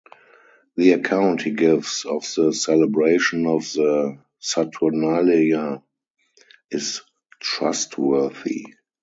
The account he gives of the celebration of the Saturnalia is trustworthy.